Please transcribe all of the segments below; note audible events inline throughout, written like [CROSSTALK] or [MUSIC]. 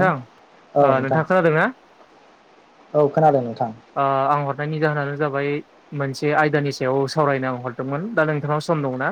थां औ ओ नोंथां नोंथाङा खोनादोंना औ खोनादों नोंथां आ आं हरनायनि जाहोनानो जाबाय मोनसे आयदानि सायाव सावरायनो आं हरदोंमोन दा नोंथांनाव सम दङना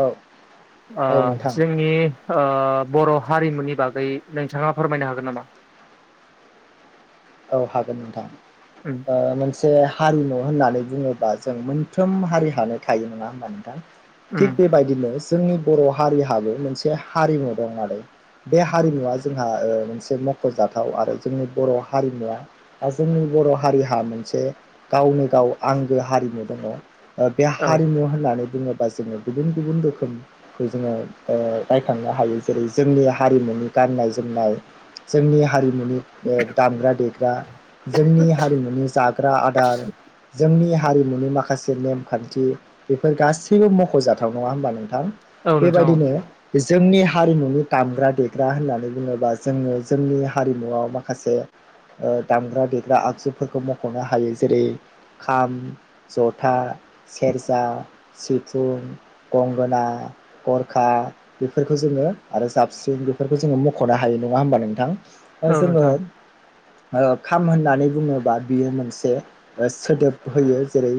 औ ओ औ नोंथां जोंनि ओ बर' हारिमुनि बागै नोंथाङा फोरमायनो हागोन नामा औ हागोन नोंथां उम ओ मोनसे हारिमु होननानै बुङोबा जों मोनफ्रोम हारि हानो थायो नङा होमबा नोंथां थिग उम बेबायदिनो जो जोंनि बर' हारिहाबो मोनसे हारिमु दं आरो बे हारिमुवा जोंहा ओ मोनसे मख'जाथाव आरो जोंनि बर' हा हारिमुवा बा जोंनि बर' हारिहा मोनसे गावनो गाव आंगो हारिमु दङ ओ बे औ हारिमु होननानै बुङोबा जोङो गुबुन गुबुन रोखोमखौ जोङो ओ नायखांनो हायो जेरै जोंनि हारिमु नि गाननाय जोमनाय जोंनि हारिमुनि ओ दामग्रा देग्रा जोंनि हारिमुनि जाग्रा आदार जोंनि हा हारिमुनि माखासे नेमखान्थि बेफोर गासैबो मख'जाथाव नङा होमबा नों थां औ नोंथां औ बेबायदिनो जोंनि हारिमुनि दामग्रा देग्रा होननानै बुङोबा जोङो जोंनि हारिमुआव माखासे ओ दामग्रा देग्रा आगजुफोरखौ मख'नो हायो जेरै खाम जथा सेरजा सिफुं गंगोना गरखा बेफोरखौ जोङो आरो जाबस्रिं बेफोरखौ जोङो मख'नो हायो नङा होमबा नोंथां ओ औ जोङो नोंथां होर' खाम होननानै बुङोबा बियो मोनसे सोदोब होयो जेरै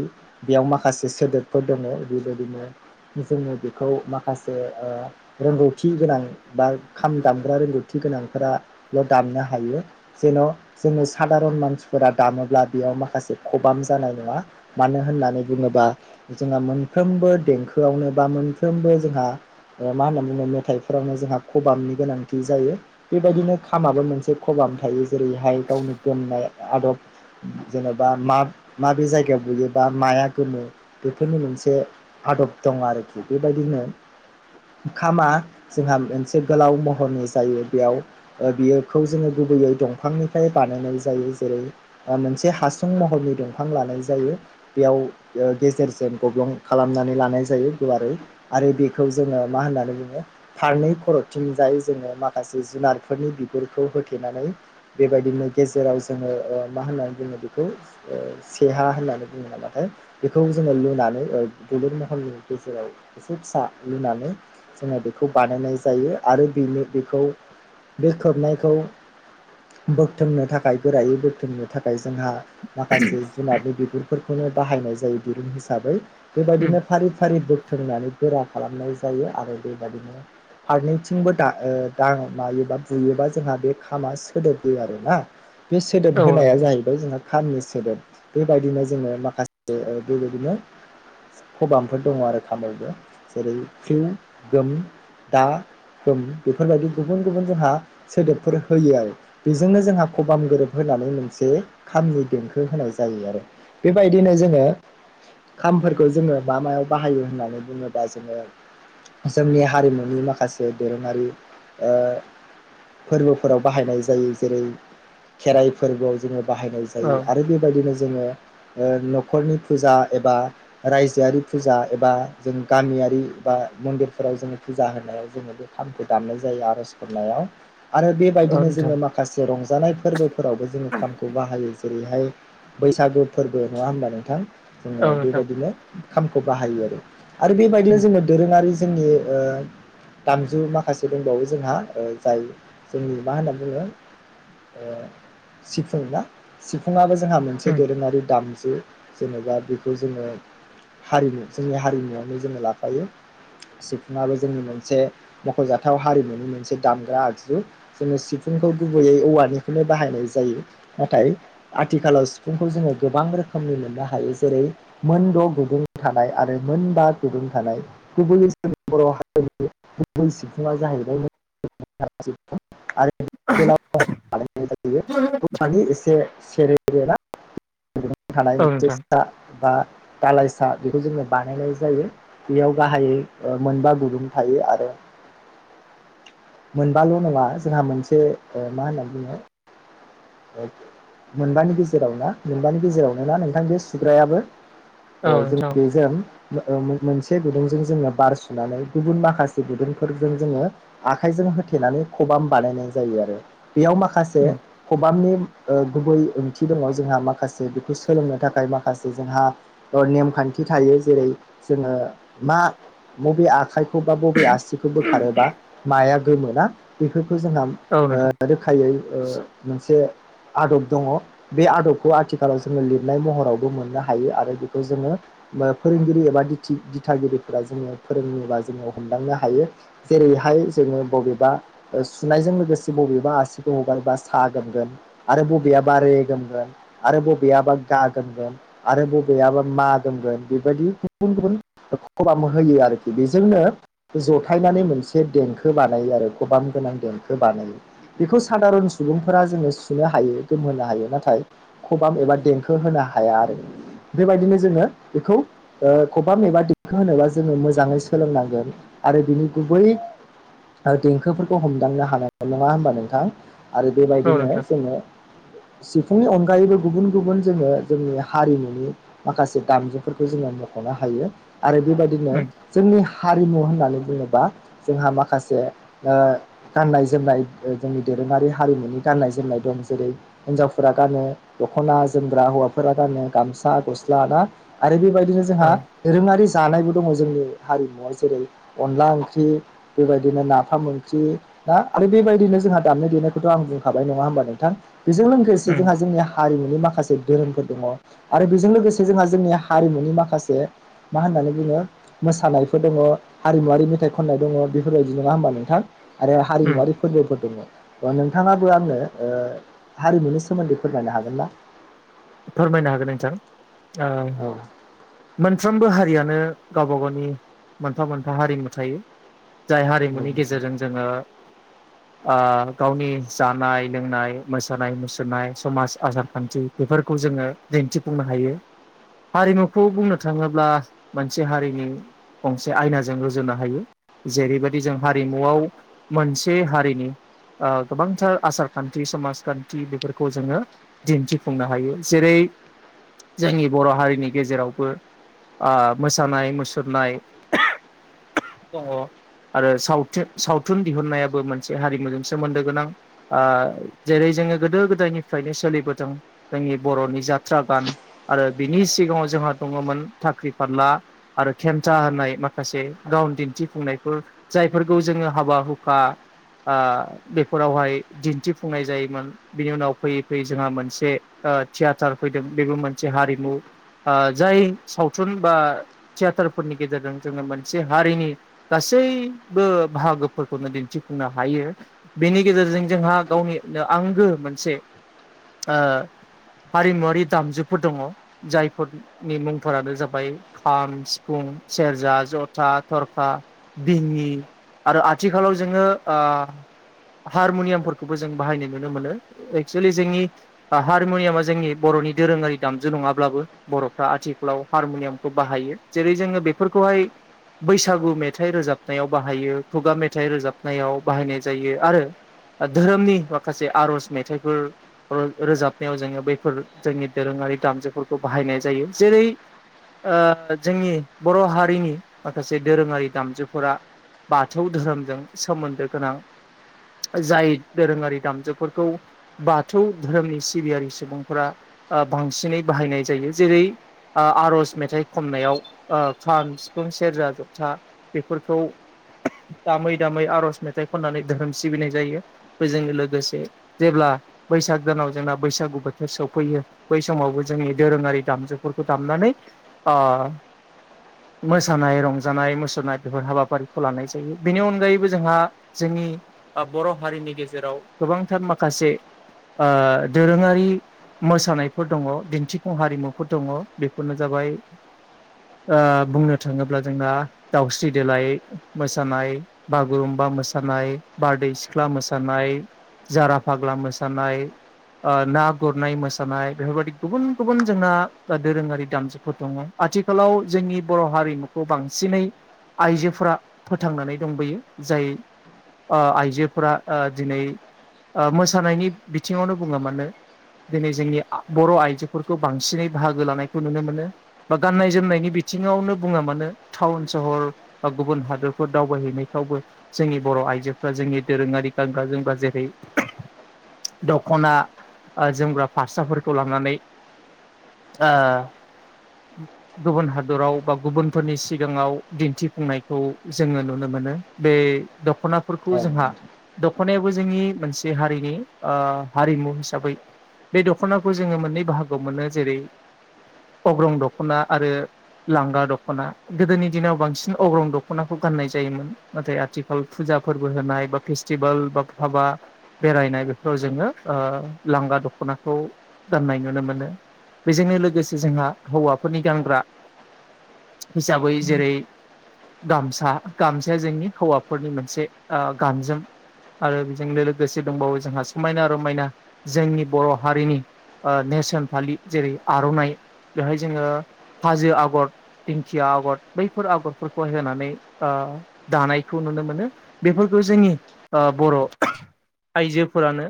बेयाव माखासे सोदोबफोर दङ बेबादिनो जोङो बिखौ माखासे ओ रोंगौथि गोनां बा खाम दामग्रा रोंगौथि गोनांथारा बेयाव दामनो हायो जेन' जोङो सादारन मानसिफोरा दामोब्ला बेयाव माखासे खबाम जानाय नङा मानो होननानै बुङोबा जोंहा मोनफ्रोमबो देंखोआवनो बा मोनफ्रोमबो जोंहा ओ मा होनना बुङो मेथाइफोरावनो जोंहा खबामनि गोनांथि जायो बेबायदिनो खामाबो मोनसे खबा थायो जेरैहाय गावनि गोमनाय आदब जेनेबा माब माबे जायगायाव बुयोबा माया गोमो बेफोरनि मोनसे आदब दं आरोखि बेबायदिनो खामा जोंहा मोनसे गोलाव महरनि जायो बेयाव ओ बियोखौ जोङो गुबैयै दंफांनिफ्राय बानायनाय जायो जेरै मोनसे हासुं महरनि दंफां लानाय जायो बेयाव गेजेरजों गब्लं खालामनानै लानाय जायो गुवारै आरो बेखौ जोङो मा होनो होननानै बुङो फारनै खर'थिंजाय जोङो माखासे जुनारफोरनि बिगुरखौ होथेनानै बेबायदिनो गेजेराव जोङो मा होननानै बुङो बेखौ सेहा होननानै बुङो नामा? बेखौ जोङो लुनानै दुलुर महरनि गेजेराव एसे फिसा लुनानै जोङो बेखौ बानायनाय जायो आरो बेनो बेखौ बे खोबनायखौ बोगथोंनो थाखाय गोरायै बोगथोंनो थाखाय जोंहा माखासे जुनारनि बिगुरफोर खौनो बाहायनाय जायो दिरुं हिसाबै उम बेबायदिनो फारि फारि बोग थोंनानै गोरा खालामनाय जायो आरो बेबादिनो फारनैथिंबो दा मायोबा बुयोबा जोंहा बे खामा सोदोब होयो आरोना बे सोदोब औ होनाया नोंथां जाहैबाय जोंहा खामनि सोदोब। बेबायदिनो जोङो माखासे बेबायदिनो खबामफोर दङ आरो खामावबो जेरै फ्रिउ गोम दा खोम बेफोरबायदि गुबुन गुबुन जोंहा सोदोबफोर होयो आरो। बेजोंनो जोंहा खबाम गोरोब होनानै मोनसे खामनि देंखो होनाय जायो आरो बेबायदिनो जोङो खामफोरखौ जोङो मा मायाव बाहायो होननानै बुङोबा जोङो जोंनि हारिमुनि माखासे दोरोङारि फोरबोफोराव बाहायनाय जायो जेरै खेराइ फोरबोआव जोङो बाहायनाय औ जायो आरो बेबायदिनो जोङो न'खरनि फुजा एबा रायजोआरि फुजा एबा जों गामियारि एबा मन्दिरफोराव जोङो फुजा होनायाव जोङो बे खामखौ दामनाय जायो आरज गाबनायाव आरो औ बेबायदिनो नोंथां जोङो माखासे रंजानाय फोरबोफोरावबो जोङो खामखौ बाहायो जेरैहाय बैसागु फोरबो नङा होनबा नोंथां औ जोङो नोंथां बेबायदिनो खामखौ बाहायो आरो आरो बेबायदिल' उम जोङो दोरोङारि जोंनि दामजु माखासे दंबावो जोंहा जाय जोंनि मा होननानै बुङो सिफुं ना सिफुङाबो जोंहा मोनसे उम दोरोङारि दाम जु जेनेबा बेखौ जोङो हारिमु जोंनि हारिमुआवनो जोङो लाफायो। सिफुङाबो जोंनि मोनसे मख'जाथाव हारिमुनि मोनसे दामग्रा आगजु जोङो सि फुंखौ गुबैयै औवानिखौनो बाहायनाय जायो नाथाय आथिखालाव सिफुंखौ जोङो गोबां रोखोम नि मोननो हायो जेरै मोनद' गुदुं थानाय आरो मोनबा गुदुं थानाय गुबैै [UNINTELLIGIBLE] बर' हारिनि गुबै सिफुंआ जाहैबाय [UNINTELLIGIBLE] आरो गोलाव [UNINTELLIGIBLE] एसे सेरेरे ना थानाय औ मोनसे नोंथां [UNINTELLIGIBLE] बा दालाइसा बेखौ जोङो बानायनाय जायो बेयाव गाहायै मोनबा गुदुं थायो आरो [INAUDIBLE] मोनबाल' नङा जोंहा मोनसे मा होनना बुङो मोनबानि गेजेराव ना? मोनबानि गेजेरावनो ना नोंथां बे सुग्रायाबो औ जों बेजों मोनसे गुदुंजों जोङो बार सुनानै गुबुन माखासे गुदुंफोरजों जोङो आखाइजों होथेनानै खबाम बानायनाय जायो आरो। बेयाव माखासे उम खबामनि गुबै ओंथि दङ जोंहा मा खासे बेखौ सोलोंनो थाखाय माखासे जोंहा नेमखान्थि थायो जेरै जोङो मा बबे आखाइखौ बा बबे आसिखौ बोखारोबा माया गोमो ना बेफोर खौ जोंहा औ नोंथां रोखायै मोनसे आदब दङ बे आदब खौ आथिखालाव जोङो लिरनाय महरावबो मोननो हायो आरो बेखौ जोङो फोरोंगिरि एबा दिनथि दिथागिरिफोरा जोङो फोरोङोबा जोङो हमदांनो हायो जेरैहाय जोङो बबेबा सुनायजों लोगोसे बबेबा आसिखौ हगार बा सा गोमगोन आरो बबेयाबा रे गोमगोन आरो बबेयाबा गा गोमगोन आरो बबेयाबा मा गोमगोन बेबायदि गुबुन गुबुन खबाम होयो आरोखि बेजोंनो जथायनानै मोनसे देंखो बानायो आरो खबाम गोनां देंखो बानायो बेखौ सादारन सुबुंफोरा जोङो सुनो हायो गोमहोनो हायो नाथाय खबाम एबा देंखो होनो हाया आरो बेबायदिनो जोङो बेखौ खबाम एबा देंखो होनोबा जोङो मोजाङै सोलोंनांगोन । आरो बिनि गुबै देंखोफोरखौ हमदांनो हानाय नङा होमबा नोंथां? आरो औ बेबायदिनो नोंथां जोङो सि फुंनि अनगायैबो गुबुन गुबुन जोङो जोंनि हारिमुनि माखासे दामजुफोरखौ जोङो मख'नो हायो यो आरो बेबायदिनो उम जोंनि हारिमु होननानै बुङोबा जोंहा माखासे गाननाय जोमनाय जोंनि दोरोङारि हारिमुनि गाननाय जोमनाय दं जेरै हिनजाव फोरा गानो दखना जोमग्रा हौवाफोरा गानो गामसा गसला ना आरो बेबायदि जोंहा ओ दोरोङारि जानायबो दङ जोंनि हारिमुआव जेरै अनला ओंख्रि बेबायदिनो नाफाम ओंख्रि दा आरो बेबायदिनो जोंहा दामनाय देनायखौथ' आं बुंखाबाय नङा होमबा नोंथां बेजों लोगोसे उम जोंहा जोंनिया हारिमुनि माखासे धोरोमफोर दङ आरो बेजों लोगोसे जोंहा जोंनि हारिमुनि माखासे मा होन होननानै बुङो मोसानायफोर दङ हारिमुवारि मेथाइ खननाय दङ बेफोरबायदि नङा होमबा नोंथां। आरो उम हारिमुवारि फोरबोफोर दङ नोंथाङाबो आंनो हारिमुनि स सोमोन्दै फोरमायनो हागोन ना? फोरमायनो हागोन नोंथां । औ मोनफ्रोमबो हारियानो गावबा गावनि मोनफा मोनफा हारिमु थायो जाय औ हारिमुनि गेजेरजों नोंथां जोङो [INAUDIBLE] गावनि जानाय लोंनाय मोसानाय मुसुरनाय समाज आसार खान्थि बेफोर खौ जोङो दिन्थिफुंनो हायो । हारिमुखौ बुंनो थाङोब्ला मोनसे हारिनि गंसे आयनाजों रुजुनो हायो । जेरैबायदि जों हारिमुआव मोनसे हारिनि ओ गोबांथार आसार खानथि समाजखानथि बेफोरखौ जोङो दिनथिफुंनो हायो। जेरै जोंनि बर' हारिनि गेजेरावबो ओ मोसानाय मुसुरनाय दङ आरो सावथु सावथुन दिहुननायाबो मोनसे हारिमुजों सोमोनदो गोनां ओ जेरै जोङो गोदो गोदायनिफ्रायनो सोलिबोदों जोंनि बर'नि जाथ्रा गान आरो बिनि सिगाङाव जोंहा दङमोन थाख्रि फारला आरो केम था होनाय माखासे गावन दिन्थिफुंनायफोर जायफोरखौ जोङो हाबा हुखा ओ बेफोरावहाय दिन्थिफुंनाय जायोमोन बिनि उनाव फैयै फैयै जोंहा मोनसे ओ थियेटार फैदों बेबो मोनसे हारिमु ओ जाय सावथुन बा थि याथार फोरनि गेजेरजों जोङो मोनसे हारिनि गासैबो बाहागोफोरखौनो दिन्थिफुंनो हा हायो बेनि गेजेरजों जोंहा गावनिनो आंगो मोनसे हारिमुवरारि दामजुफोर दङ जायफोरनि मुंफोरानो जाबाय खाम सिफुं फुं सेरजा जथा थरखा बिङि आरो आथिखालाव जोङो ओ हारमुनियामफोरखौबो जों बाहायनाय नुनो मोनो एक्सुयेलि जोंनि हा रमुनियामा जोंनि बर'नि दोरोङारि दामजु नङाब्लाबो बर'फ्रा आथिखालाव हारमुनियामखौ बाहायो ज जेरै जोङो बेफोरखौहाय बैसागु मेथाइ रोजाबनायाव बाहायो खुगा मेथाइ रोजाबनायाव बाहायनाय जायो आरो धोरोमनि माखासे आर'ज मेथाइफोर रोजाब [UNINTELLIGIBLE] जोङो बैफोर जोंनि दोरोङारि दामजुफोरखौ बाहायनाय जायो जेरै ओ जोंनि बर' हारिनि माखासे दोरोङारि दामजुफोरा बाथौ धोरोमजों सोमोन्दो गोना जाय दोरोङारि दामजुफोरखौ बाथौ धोरोमनि सिबियारि सुबुंफोरा ओ बांसिनै बाहायनाय जायो जेरै ओ आर'ज मेथाइ खननायाव ओ खाम सिफुं सेरजा जथा बेफोरखौ दामै दामै आर'ज मेथाइ खननानै धोरोम सिबिनाय जायो बेजों लोगोसे जेब्ला बैसाग दानाव जोंना बैसागु बोथोर सफैयो बै समावबो जोंनि दोरोङारि दामजुफोरखौ दामनानै ओ [INAUDIBLE] मोसानाय रंजानाय मुसुरनाय बेफोर हाबाफारिखौ लानाय जायो बेनि अनगायैबो जोंहा जोंनि ओ बर' हारिनि गेजेराव गोबांथार माखासे दोरोङारि मोसानायफोर दङ दिन्थिफुं हारिमुफोर दङ बेफोरनो जाबाय ओ बुंनो थाङोब्ला जोंना दाउस्रि देलाय मोसानाय बागुरुम्बा बा मोसानाय बारदै सिख्ला मोसानाय जारा फाग्ला मोसानाय ओ ना गुरनाय मोसानाय बेफोरबदि गुबुन गुबुन जोंना दोरोङारि दामजुफोर दङ आथिखालाव आथिखालाव जोंनि बर' हारिमुखौ बांसिनै आइजोफोरा फोथांनानै दंबोयो जाय ओ आइजोफोरा ओ दिनै ओ मोसानायनि बिथिङावनो बुङो मानो दिनै जोंनि बर' आइजोफोरखौ बांसिनै बाहागो लानायखौ नुनो मोनो बा गाननाय जोमनायनि बिथ बिथिङावनो बुङा मानो टाउन सहर बा गुबुन हादोरफोर दावबायहैनायफ्रावबो जोंनि बर' आइजोफ्रा जोंनि दोरोङारि गानग्रा जोमग्रा जेरै दखना जोमग्रा फास्राफोरखौ लानानै गुबुन हादराव बा गुबुनफोरनि सिगाङाव दिन्थिफुंनायखौ जोङो नुनो मोनो। [UNINTELLIGIBLE] बे दख'नाफोरखौ औ जोंहा दख'नायाबो जोंनि मोनसे हारिनि हारिमु हिसाबै बे दख'नाखौ जोङो मोननै बाहागोआव मोनो जेरै अग्रं दख'ना आरो लांगा दख'ना गोदोनि दिनाव बांसिन अग्रं दख'नाखौ गाननाय जायोमोन नाथाय आथिखाल फुजा [UNINTELLIGIBLE] फोरबो होनाय बा फेस्टिभेल बा हाबा बेरायनाय बेफोराव जोङो ओ लांगा दख'नाखौ गाननाय नुनो मोनो बेजोंनो लोगोसे जोंहा हौवाफोरनि गानग्रा हिसाबै जेरै गामसा गामसाया जोंनि हौवाफोरनि मोनसे ओ गामजोम आरो बेजों लोगोसे दंबावो जोंहा समायना रमायना जोंनि बर' हारिनि ओ नेरसोन फालि जेरै आर'नाइ बेहाय जोङो हाजो आगर दिंखिया आगर बैफोर आगरफोरखौ होनानै ओ दानायखौ नुनो मोनो बेफोर बेखौ जोंनि ओ बर' आइजोफोरानो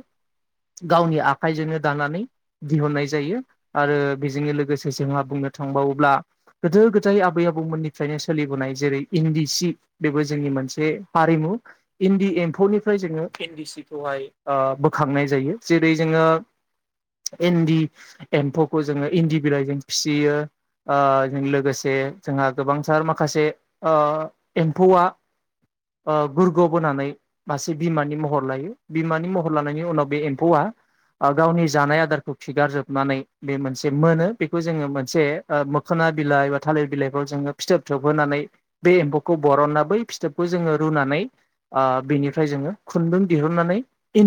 गावनि आखाइजोंनो दानानै दिहुननाय जायो आरो बेजोंनो लोगोसे जोंहा बुंनो थांबावोब्ला गोदो गोदाय आबै आबौमोननिफ्रायनो सोलिबोनाय जेरै इन्दि सि बेबो जो [UNINTELLIGIBLE] मोनसे हारिमु इन्दि एम्फौनिफ्राय जोङो इन्दि सिखौहाय ओ बोखांनाय जायो जेरै जोङो इन्दि एम्फौखौ जोङो इन्दि बिलाइजों फिसियो ओ लोगोसे जोंहा गोबांथार माखासे एम्फौआ ओ गुरग' बानै मासे बिमानि महर लायो बिमानि महर लानायनि उनाव बे एम्फौआ ओ गावनि जानाय आदारखौ खिगारजोबनानै बे मोनसे मोनो बेखौ जोङो मोनसे ओ मोखोना ना बिलाइ बा थालिर बिलाइखौ जोङो फिथोब थोबहोनानै बे एम्फौखौ बरननानै बै फिथोबखौ जोङो रुनानै बिनिफ्राय जोङो खुंनदुं दिहुनानै इन